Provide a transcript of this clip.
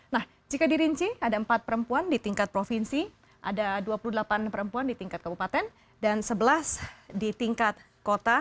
nah jika dirinci ada empat perempuan di tingkat provinsi ada dua puluh delapan perempuan di tingkat kabupaten dan sebelas di tingkat kota